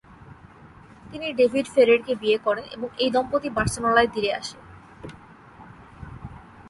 তিনি ডেভিড ফেরেরকে বিয়ে করেন এবং এই দম্পতি বার্সেলোনায় দিরে আসে।